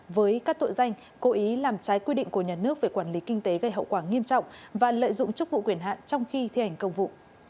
với các tội danh cố ý làm trái quy định của nhà nước về quản lý kinh tế gây hậu quả nghiêm trọng và lợi dụng chức vụ quyền hạn trong khi thi hành công vụ